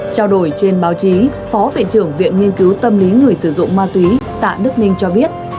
trao đổi trên báo chí phó viện trưởng viện nghiên cứu tâm lý người sử dụng ma túy tạ đức ninh cho biết